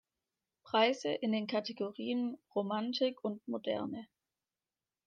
Preise in den Kategorien Romantik und Moderne.